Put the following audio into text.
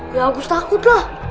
ya agus takut loh